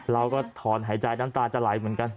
เราก็ถอนหายใจน้ำตาจะไหลเหมือนกัน